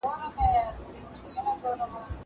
زه مخکي قلمان کارولي وو!